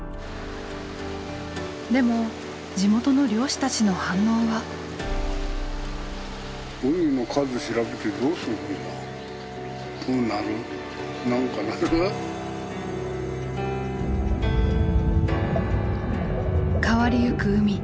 でも地元の漁師たちの反応は。変わりゆく海。